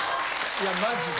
いやマジで。